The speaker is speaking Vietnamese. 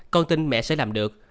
con tin mẹ sẽ làm được